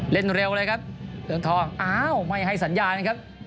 เล่นเร็วเลยครับเรืองทองอ้าวไม่ให้สัญญานะครับ